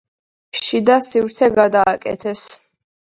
შიდა სივრცე გადააკეთეს.